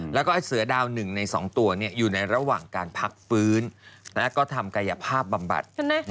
แล้วก็เสือดาว๑ใน๒ตัวอยู่ในระหว่างการพักฟื้นและก็ทำกายภาพบำบัด